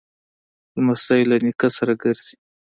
لمسی له نیکه سره ګرځي.